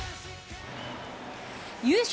優勝